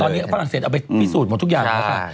ตอนนี้ฝรั่งเศสเอาไปพิสูจน์หมดทุกอย่างอยู่แล้วค่ะ